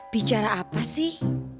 bicara apa sih